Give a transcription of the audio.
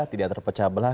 tidak terpecah belah